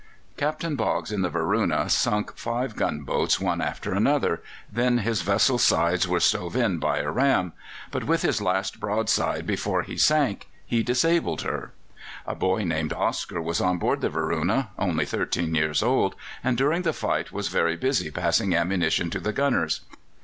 Captain Boggs in the Varuna sunk five gunboats one after another, then his vessel's sides were stove in by a ram; but with his last broadside before he sank he disabled her. A boy named Oscar was on board the Varuna, only thirteen years old, and during the fight was very busy passing ammunition to the gunners.